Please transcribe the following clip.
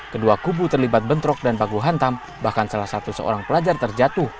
kedua kubu terlibat bentrok dan baku hantam bahkan salah satu seorang pelajar terjatuh